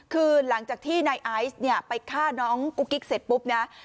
คือหลังจากที่นายไอซ์เนี่ยไปฆ่าน้องกุ๊กกิ๊กเสร็จปุ๊บนะ